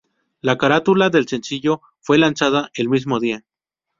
La carátula del sencillo fue lanzada el mismo día.